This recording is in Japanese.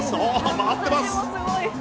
回ってます。